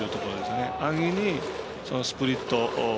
安易にスプリット。